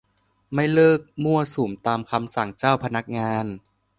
ไม่เลิกมั่วสุมตามคำสั่งเจ้าพนักงาน